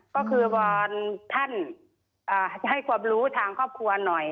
ก็คือวอนท่านให้ความรู้ทางครอบครัวหน่อย